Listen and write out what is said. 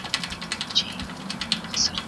بګۍ 🐞